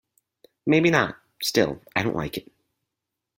Maybe not; still I don't like it.